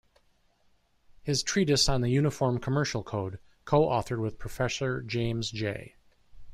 His treatise on the Uniform Commercial Code, co-authored with Professor James J.